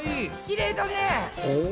きれいだね。